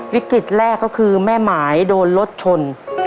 วิกฤตแรกก็คือแม่หมายโดนรถชน